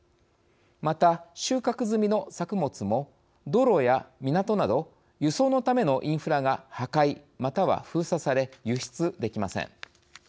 また、収穫済みの作物も道路や港など輸送のためのインフラが破壊または封鎖され輸出できません。